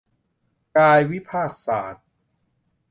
กายวิภาคศาสตร์